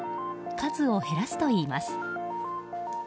数を減らすといいます。